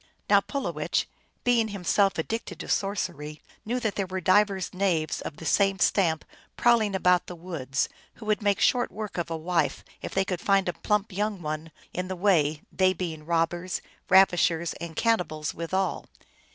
Now Pulowech, being himself addicted to sorcer}^ knew that there were divers knaves of the same stamp prowling about the woods, who wculd make short work of a wife if they could find a plump young one in the way, they being robbers, ravishers, and canni bals withal.